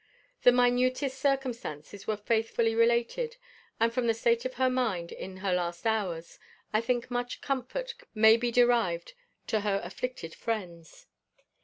The minutest circumstances were faithfully related; and, from the state of her mind in her last hours, I think much comfort may be derived to her afflicted friends.